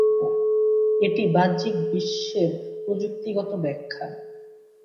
এটি "বাহ্যিক বিশ্বের" প্রযুক্তিগত ব্যাখ্যা।